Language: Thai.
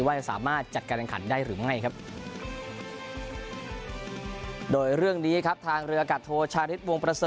ว่าจะสามารถจัดการแข่งขันได้หรือไม่ครับโดยเรื่องนี้ครับทางเรืออากาศโทชาริสวงประเสริ